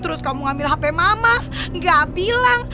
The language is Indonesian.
udah ma gak usah dimarahin